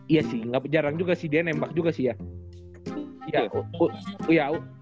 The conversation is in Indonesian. iya sih nggak jarang juga sih dia nembak juga sih ya